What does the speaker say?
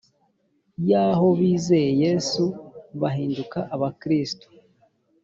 yaho bizeye yesu bahinduka abakristo